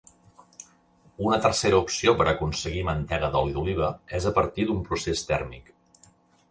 Una tercera opció per aconseguir mantega d'oli d'oliva és a partir d'un procés tèrmic.